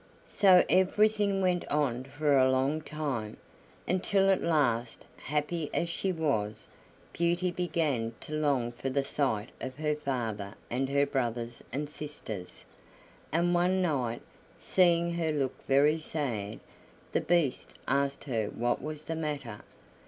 So everything went on for a long time, until at last, happy as she was, Beauty began to long for the sight of her father and her brothers and sisters; and one night, seeing her look very sad, the Beast asked her what was the matter.